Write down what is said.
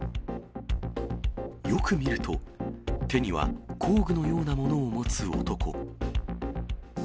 よく見ると、手には工具のようなものを持つ男。